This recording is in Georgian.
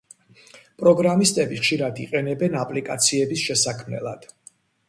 პროგრამისტები ხშირად იყენებენ აპლიკაციების შესაქმნელად.